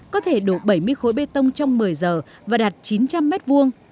có thể đổ bảy mươi khối bê tông trong một mươi giờ và đạt chín trăm linh mét vuông